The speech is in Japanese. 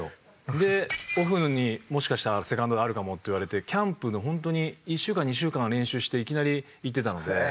でオフにもしかしたらセカンドがあるかもって言われてキャンプのホントに１週間２週間は練習していきなり行ってたので。